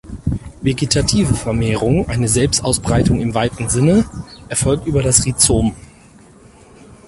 Vegetative Vermehrung, eine Selbstausbreitung im weiten Sinne, erfolgt über das Rhizom.